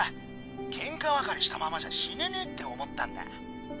ケンカ別れしたままじゃ死ねねえって思ったんだ。